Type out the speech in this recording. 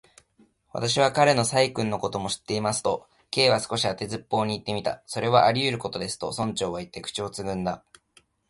「私は彼の細君のことも知っています」と、Ｋ は少し当てずっぽうにいってみた。「それはありうることです」と、村長はいって、口をつぐんだ。